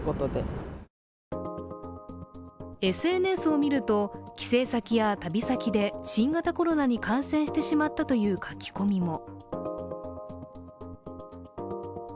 ＳＮＳを見ると、帰省先や旅先で新型コロナに感染してしまったという書き込みも。